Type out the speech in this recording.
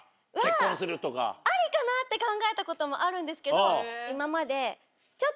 ありかなって考えたこともあるんですけど。